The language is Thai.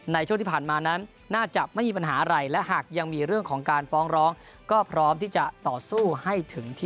ในช่วงที่ผ่านมานั้นน่าจะไม่มีปัญหาอะไร